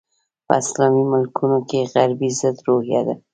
په اسلامي ملکونو کې غربي ضد روحیه ده.